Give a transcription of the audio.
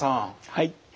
はい。